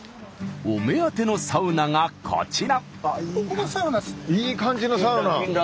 お目当てのサウナがこちら。